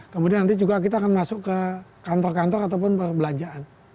kemudian nanti juga kita akan masuk ke kantor kantor ataupun perbelanjaan